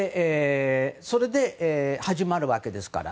それで始まるわけですから。